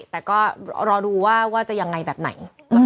แต่ก็รอดูว่าจะยังไงแบบไหน